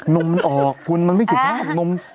นุ่มมันออกคุณมันไม่ผิดภาพ